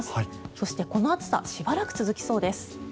そして、この暑さしばらく続きそうです。